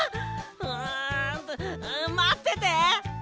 うんとまってて！